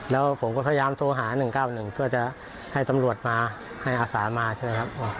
แล้วผมก็พยายามโทรหา๑๙๑เพื่อจะให้ตำรวจมาให้อาสามาใช่ไหมครับ